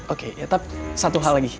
oke ya tapi satu hal lagi